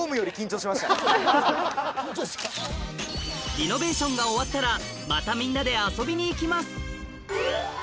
リノベーションが終わったらまたみんなで遊びに行きます！